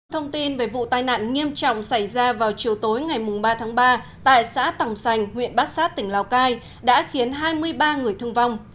thông tin về vụ tai nạn nghiêm trọng xảy ra vào chiều tối ngày ba tháng ba tại xã tòng sành huyện bát sát tỉnh lào cai đã khiến hai mươi ba người thương vong